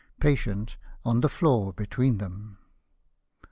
Patient on the floor between them.